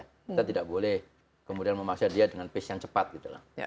kita tidak boleh kemudian memaksa dia dengan pace yang cepat gitu